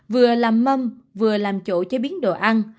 vừa làm mâm vừa làm chỗ chế biến đồ ăn